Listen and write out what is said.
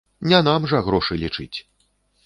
Не нам жа грошы лічыць!